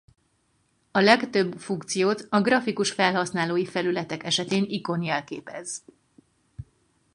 A legtöbb funkciót a grafikus felhasználói felületek esetén ikon jelképez.